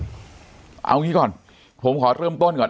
เอางี้ก่อนผมขอเริ่มต้นก่อน